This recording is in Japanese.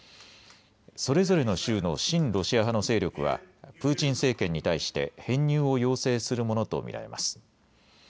それぞれの州の親ロシア派の勢力はプーチン政権に対して編入を要請するものと見られます。